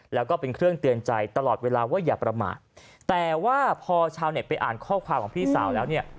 แล้วก็เป็นเครื่องเตือนใจตลอดเวลาว่าอย่าประมาทแต่ว่าพอชาวเน็ตไปอ่านข้อความของพี่สาวแล้วเนี่ย